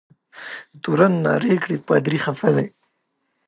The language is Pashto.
تورن نارې کړې پادري خفه دی.